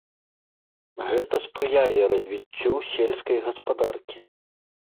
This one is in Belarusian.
Гэта спрыяе развіццю сельскай гаспадаркі.